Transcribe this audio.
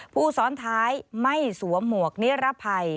ผู้สอนท้ายไม่สวมหมวกเนื้อระภัย